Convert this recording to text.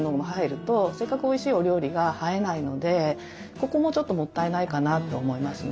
ここもちょっともったいないかなと思いますね。